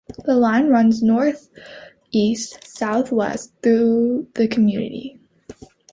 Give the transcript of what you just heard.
The line runs northeast-southwest through the community.